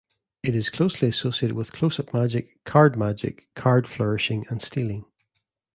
It is closely associated with close-up magic, card magic, card flourishing and stealing.